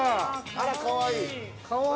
◆あら、かわいい。